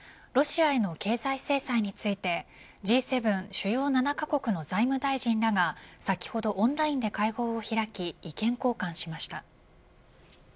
ロシアへの経済制裁についてＧ７主要７カ国の財務大臣らが先ほどオンラインで会合を開き意見交換しました。